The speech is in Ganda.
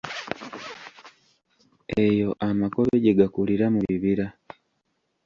Eyo amakobe gye gakulira mu bibira.